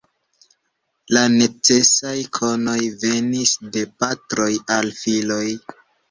La necesaj konoj venis de patroj al filoj.